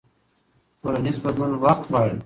ټولنیز بدلون وخت غواړي.